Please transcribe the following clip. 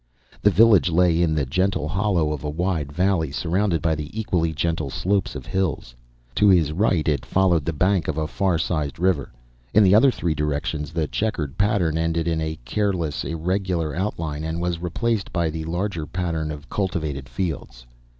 The village lay in the gentle hollow of a wide valley, surrounded by the equally gentle slopes of hills. To his right, it followed the bank of a fair sized river; in the other three directions the checkered pattern ended in a careless, irregular outline and was replaced by the larger pattern of cultivated fields.